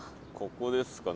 ここですか。